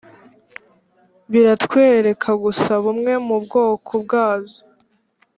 biratwereka gusa bumwe mu bwoko bwazo